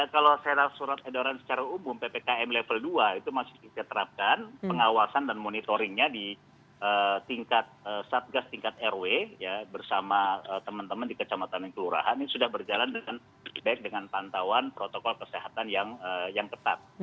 kalau secara surat edaran secara umum ppkm level dua itu masih kita terapkan pengawasan dan monitoringnya di tingkat satgas tingkat rw bersama teman teman di kecamatan dan kelurahan ini sudah berjalan dengan baik dengan pantauan protokol kesehatan yang ketat